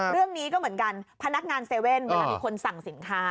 เรื่องนี้ก็เหมือนกันพนักงาน๗๑๑เวลามีคนสั่งสินค้า